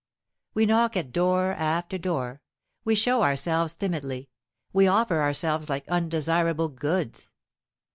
We knock at door after door, we show ourselves timidly, we offer ourselves like undesirable goods.